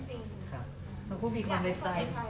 ขอบคุณพี่ความใจ